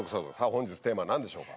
本日テーマは何でしょうか？